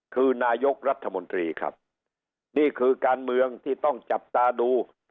คือนายกรัฐมนตรีครับนี่คือการเมืองที่ต้องจับตาดู